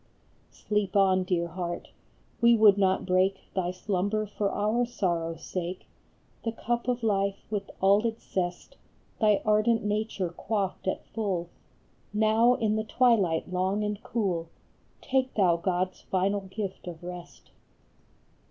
Sleep on, dear heart ! we would not break Thy slumber for our sorrow s sake : The cup of life, with all its zest, Thy ardent nature quaffed at full ; Now, in the twilight long and cool, Take thou God s final gift of rest.